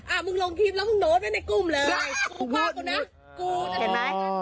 อ้ามึงลงคลิปแล้วมึงลงในนโน้ตลอยู่ในกลุ่มเลย